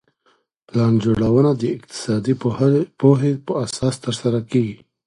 پلان جوړونه د اقتصادي پوهي په اساس ترسره کيږي.